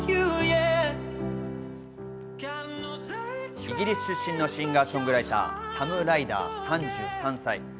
イギリス出身のシンガー・ソングライター、サム・ライダー、３３歳。